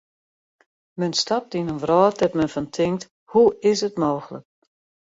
Men stapt yn in wrâld dêr't men fan tinkt: hoe is it mooglik.